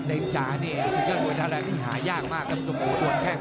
รอติดตามชมทุกวันเสาร์กับที่ตรงนี้ครับ